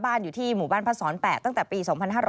บ้านอยู่ที่หมู่บ้านพันธุ์สอน๘ตั้งแต่ปี๒๕๕๕